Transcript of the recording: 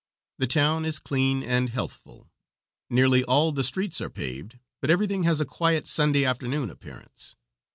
The town is clean and healthful. Nearly all the streets are paved, but everything has a quiet, Sunday afternoon appearance.